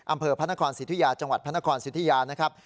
อำเภอพระนครสิทธิยาจังหวัดพระนครสิทธิยานะครับ